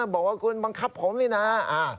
ขอบคุณบังคับผมเลยนะ